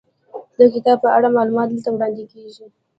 د کتاب په اړه معلومات دلته وړاندې کیږي.